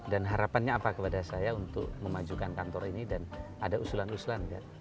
dan harapannya apa kepada saya untuk memajukan kantor ini dan ada usulan usulan